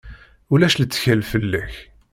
Ulac lettkal fell-ak.